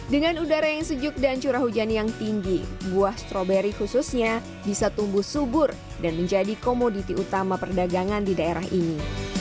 dengan udara yang sejuk dan curah hujan yang tinggi buah stroberi khususnya bisa tumbuh subur dan menjadi komoditi utama perdagangan di daerah ini